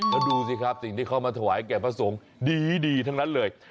แล้วดูสิครับสิ่งที่เขามาถวายแก่พระสงฆ์ดีทั้งนั้นเลย